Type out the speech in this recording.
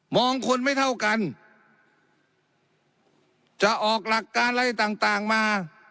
งคนไม่เท่ากันจะออกหลักการอะไรต่างต่างมา